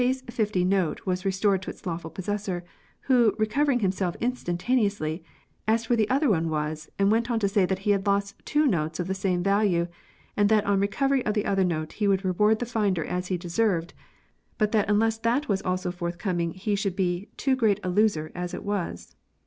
5 note was restored to its lawful possessor, who, recovering himself instantaneously, asked where the other one was, and went on to say that he had lost two notes of the same value, and that on recovery of the other one he would reward the finder as he deserved, but that unless that also was forthcoming he should be too great a loser as it was.